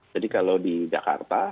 jadi kalau di jakarta